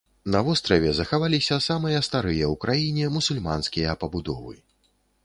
На востраве захаваліся самыя старыя ў краіне мусульманскія пабудовы.